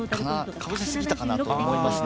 かぶせすぎたかなと思いますね。